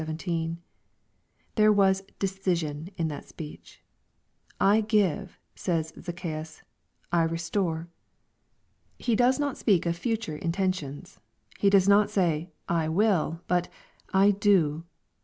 — There was decision in that speech. " I^ive," says ZacchsBus, — "I restore." He does not speak of future intentions. He does not say, " I will," bu^" I do."